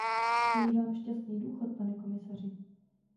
Přeji vám šťastný důchod, pane komisaři.